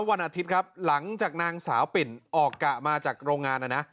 วันอาทิตย์ครับหลังจากนางสาวปิ่นออกกะมาจากโรงงานนะนะ